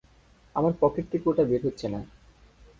আমার পকেট থেকে ওটা বের হচ্ছে না।